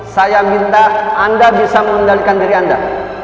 saya minta anda bisa mengendalikan diri anda